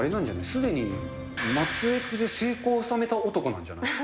すでにマツエクで成功を収めた男なんじゃない？